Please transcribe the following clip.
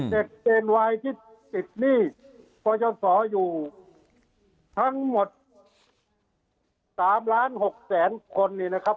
เด็กเป็นวายที่ติดหนี้ประชาติศาสตร์อยู่ทั้งหมด๓ล้าน๖แสนคนเนี่ยนะครับ